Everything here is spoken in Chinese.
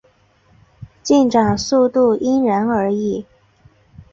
进展速度因人而异。